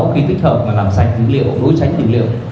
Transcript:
khi tích hợp và làm sạch dữ liệu đối sánh dữ liệu